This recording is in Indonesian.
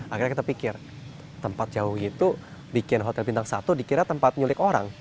akhirnya kita pikir tempat jauh itu bikin hotel bintang satu dikira tempat nyulik orang